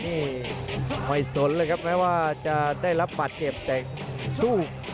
กระโดยสิ้งเล็กนี่ออกกันขาสันเหมือนกันครับ